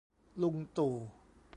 ลุงตู่